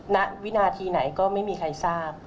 ณวินาทีไหนก็ไม่มีใครทราบ